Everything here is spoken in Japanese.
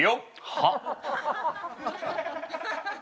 はっ！